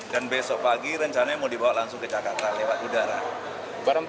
dan besok pagi rencananya mau dibawa langsung ke jakarta lewat udara